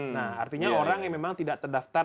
nah artinya orang yang memang tidak terdaftar